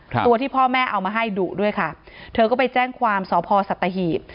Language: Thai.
ตัวที่พ่อแม่เอามาให้ดุด้วยค่ะเธอก็ไปแจ้งความสพสัตหีบ